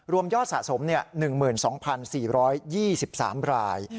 รวมยอดสะสมเนี่ยหนึ่งหมื่นสองพันสี่ร้อยยี่สิบสามราย